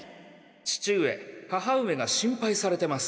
父上母上が心配されてます。